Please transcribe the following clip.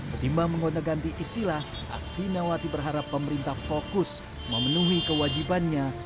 ketimbang menggoda ganti istilah asvinawati berharap pemerintah fokus memenuhi kewajibannya